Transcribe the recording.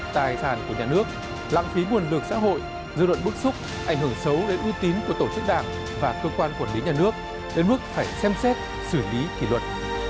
dư luận bức xúc ảnh hưởng xấu đến ưu tín của tổ chức đảng và cơ quan quản lý nhà nước đến mức phải xem xét xử lý kỷ luật